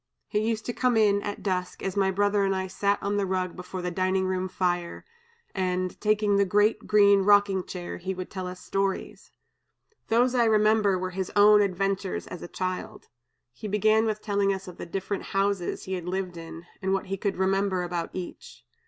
He used to come in, at dusk, as my brother and I sat on the rug before the dining room fire, and, taking the great green rocking chair, he would tell us stories. Those I remember were his own adventures, as a child. He began with telling us of the different houses he had lived in, and what he could remember about each.